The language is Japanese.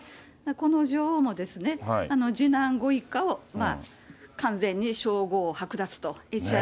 この女王も次男ご一家を完全に称号剥奪と。